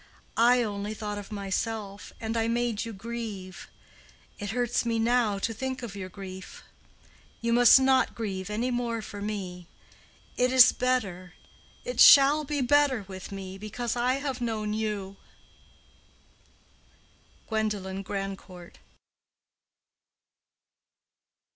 I only thought of myself, and I made you grieve. It hurts me now to think of your grief. You must not grieve any more for me. It is better—it shall be better with me because I have known you. GWENDOLEN GRANDCOURT.